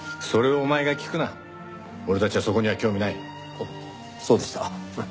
あっそうでした。